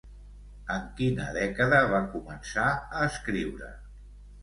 En quina dècada va començar a escriure?